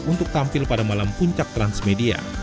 untuk tampil pada malam puncak transmedia